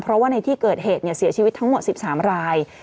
เพราะว่าในที่เกิดเหตุเสียชีวิตทั้งหมด๑๓ราย